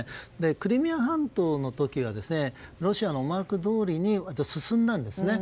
クリミア半島の時はロシアの思惑どおりに進んだんですね。